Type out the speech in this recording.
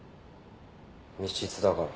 密室だから。